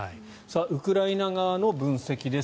ウクライナ側の分析です。